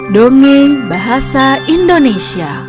dongeng bahasa indonesia